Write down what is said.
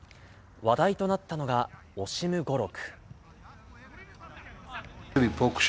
話題となったのが、オシム語録。